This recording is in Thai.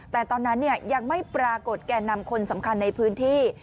แต่ตอนนั้นยังไม่ปรากฏแก่นำคนสำคัญในพื้นที่